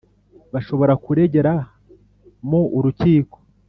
bashobora kuregera mu urukiko